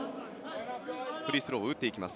フリースローを打っていきます